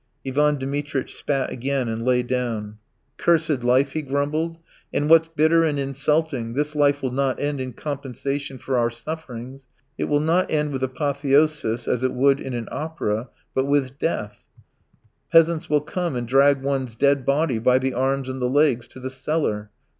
Ivan Dmitritch spat again and lay down. "Cursed life," he grumbled, "and what's bitter and insulting, this life will not end in compensation for our sufferings, it will not end with apotheosis as it would in an opera, but with death; peasants will come and drag one's dead body by the arms and the legs to the cellar.